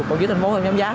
còn dưới thành phố mình dán